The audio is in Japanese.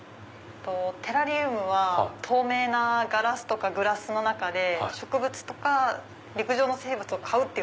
テラリウムは透明なガラスとかグラスの中で植物とか陸上の生物を飼うっていう。